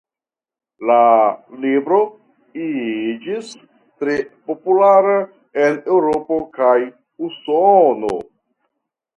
La libro iĝis tre populara en Eŭropo kaj Usono.